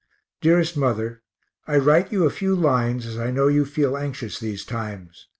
_ DEAREST MOTHER I write you a few lines, as I know you feel anxious these times.